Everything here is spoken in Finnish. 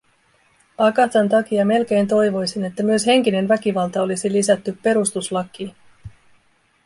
Agathan takia melkein toivoisin, että myös henkinen väkivalta olisi lisätty perustuslakiin.